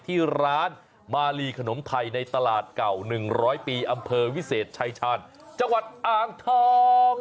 ที่ร้านมาลีขนมไทยในตลาดเก่า๑๐๐ปีอำเภอวิเศษชายชาญจังหวัดอ่างทอง